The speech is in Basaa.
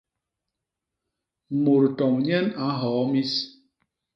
Mut tomb nyen a nhoo mis.